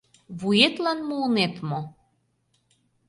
Вуетлан муынет мо?!